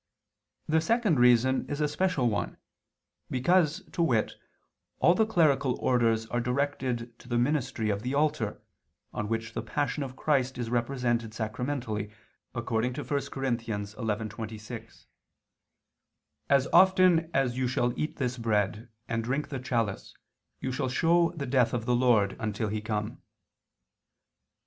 The second reason is a special one, because, to wit, all the clerical Orders are directed to the ministry of the altar, on which the Passion of Christ is represented sacramentally, according to 1 Cor. 11:26: "As often as you shall eat this bread, and drink the chalice, you shall show the death of the Lord, until He come."